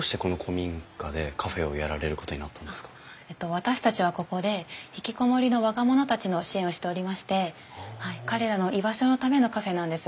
私たちはここで引きこもりの若者たちの支援をしておりまして彼らの居場所のためのカフェなんです。